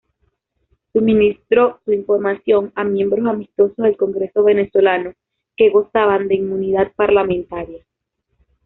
Suministró su información a miembros amistosos del Congreso venezolano, que gozaban de inmunidad parlamentaria.